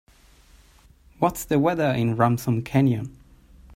What's the weather in Ransom Canyon?